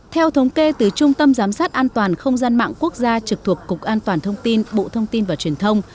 theo thống kê từ trung tâm giám sát an toàn không gian mạng quốc gia trực thuộc cục an toàn thông tin bộ thông tin và truyền thông